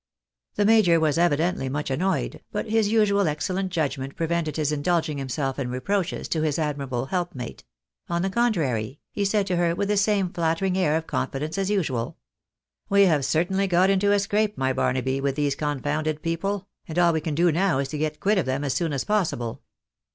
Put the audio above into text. The major was evidently much annoyed, but his usual excellent judgment prevented his indulging himself in reproaches to his ad mirable helpmate ; on the contrary, he said to her with the same flattering air of confidence as usual —" We have certainly got into a scrape, my Barnaby, mth these confounded people, and all we can do now is to get quit of them as soon as possible.